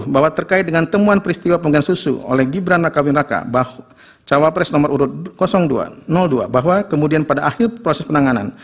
bahwa terkait dengan temuan peristiwa pengganti susu oleh gibran raka buming raka bahwa cawapres nomor urut dua bahwa kemudian pada akhir proses penanganan